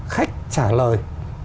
khách trả lời